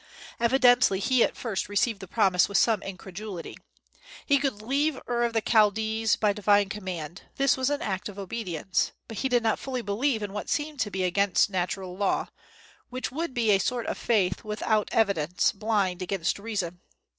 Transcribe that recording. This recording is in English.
Evidently he at first received the promise with some incredulity. He could leave Ur of the Chaldees by divine command, this was an act of obedience; but he did not fully believe in what seemed to be against natural law, which would be a sort of faith without evidence, blind, against reason.